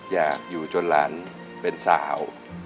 อยากอยู่จนหลานเป็นสาว